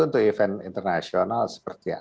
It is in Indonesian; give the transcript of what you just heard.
untuk event internasional seperti